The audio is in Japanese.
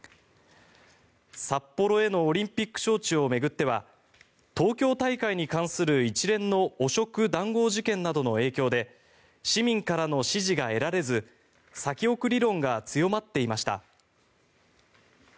札幌へのオリンピック招致を巡っては東京大会に関する、一連の汚職・談合事件などの影響で市民からの支持が得られず先送り論が強まっていました。